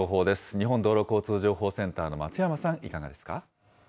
日本道路交通情報センターの松山さん、いかがですか。